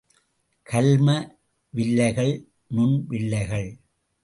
கல்ம வில்லைகள், நுண்வில்லைகள்.